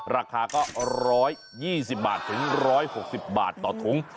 ราคาก็๑๒๐บาทถึง๑๖๐บาทต่อถุง